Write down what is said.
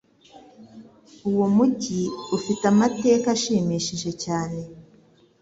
Uwo mujyi ufite amateka ashimishije cyane.